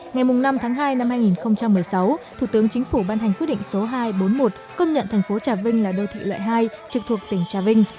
ngày năm tháng hai năm hai nghìn một mươi sáu thủ tướng chính phủ ban hành quyết định số hai trăm bốn mươi một công nhận thành phố trà vinh là đô thị loại hai trực thuộc tỉnh trà vinh